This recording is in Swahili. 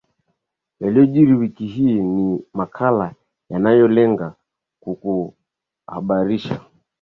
yaliojiri wiki hii ni makala yanayolenga kukuhabarisha